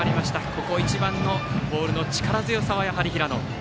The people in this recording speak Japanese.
ここ一番のボールの力強さはやはり平野。